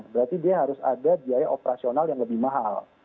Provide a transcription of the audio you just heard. berarti dia harus ada biaya operasional yang lebih mahal